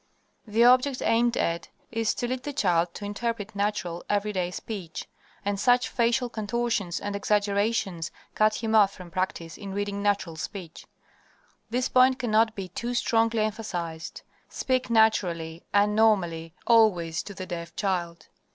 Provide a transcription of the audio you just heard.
The object aimed at is to lead the child to interpret natural, everyday speech, and such facial contortions and exaggerations cut him off from practice in reading natural speech. This point cannot be too strongly emphasized. Speak naturally and normally always to the deaf child.